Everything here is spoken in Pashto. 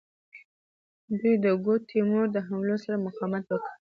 دوی د ګوډ تیمور د حملو سره مقاومت وکړ.